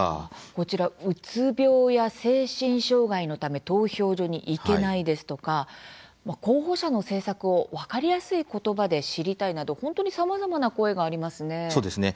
こちら「うつ病や精神障害のため投票所に行けない」ですとか「候補者の政策を分かりやすい言葉で知りたい」など本当にさまざまな声がありますね。